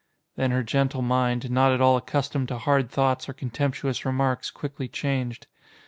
Then her gentle mind, not at all accustomed to hard thoughts or contemptuous remarks, quickly changed.